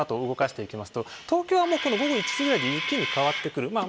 動かしていきますと東京は午後１時くらいで雪に変わってくる。